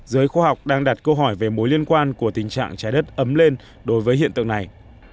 giới khoa học đang đặt câu hỏi về mối liên quan của tình trạng trái đất ấm lên đối với hiện tượng này